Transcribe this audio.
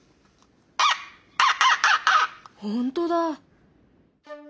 ほんとだ。